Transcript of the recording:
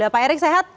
pak erick sehat